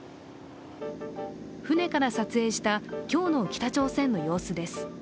船から撮影した今日の北朝鮮の様子です。